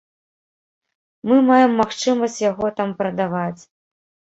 Мы маем магчымасць яго там прадаваць.